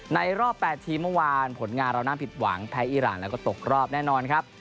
รอบ๘ทีมเมื่อวานผลงานเราน่าผิดหวังแพ้อีรานแล้วก็ตกรอบแน่นอนครับ